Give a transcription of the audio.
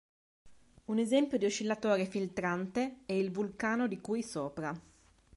Un esempio di oscillatore filtrante è il "vulcano" di cui sopra.